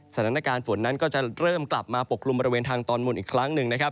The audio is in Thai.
สถานการณ์ฝนนั้นก็จะเริ่มกลับมาปกกลุ่มบริเวณทางตอนบนอีกครั้งหนึ่งนะครับ